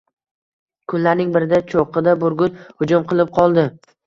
Kunlarning birida cho‘qqida burgut hujum qilib qoldi